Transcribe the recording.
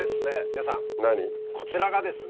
皆さんこちらがです